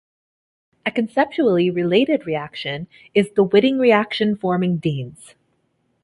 A conceptually related reaction is the Whiting reaction forming dienes.